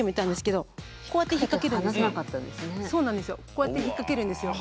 こうやって引っ掛けるんですよ。